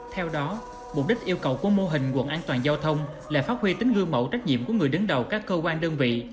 theo đó mục đích yêu cầu của mô hình quận an toàn giao thông là phát huy tính gương mẫu trách nhiệm của người đứng đầu các cơ quan đơn vị